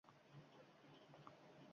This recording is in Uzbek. Ularda pensiya tayinlangan